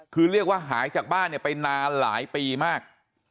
คือเรียกว่าหายจากบ้านเนี่ยไปนานหลายปีมาก